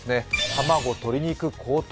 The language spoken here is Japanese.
卵・鶏肉高騰。